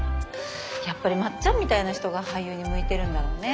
やっぱりまっちゃんみたいな人が俳優に向いてるんだろうね。